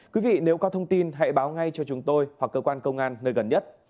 quý vị nếu có thông tin hãy báo ngay cho chúng tôi hoặc cơ quan công an nơi gần nhất